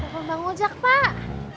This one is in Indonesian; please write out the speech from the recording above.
bapak bang ojak pak